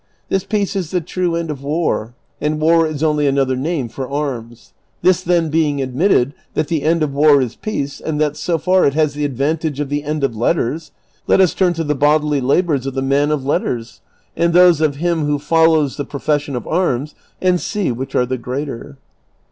This peace is the true end of war; and war is only another name for arms. This, then, being admitted, that the end of war is peace, and that so far it has the advantage of the end of letters, let us turn to the bodily labors of the man of letters, and those of him who follows the profession of arms, and see which are the greater."